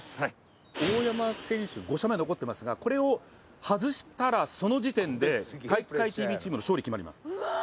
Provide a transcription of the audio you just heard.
大山選手、５射目残ってますが、これを外したらその時点で「体育会ＴＶ」チームの勝利が決まります。